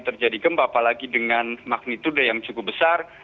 terjadi gempa apalagi dengan magnitude yang cukup besar